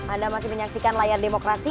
anda masih menyaksikan layar demokrasi